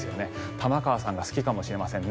玉川さんが好きかもしれませんね。